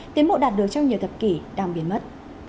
đến mộ đạt được trong nhiều thập kỷ đang biến mất